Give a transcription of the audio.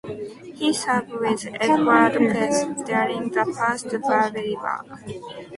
He served with Edward Preble during the First Barbary War.